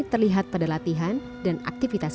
terlihat pada latihan dan aktivitas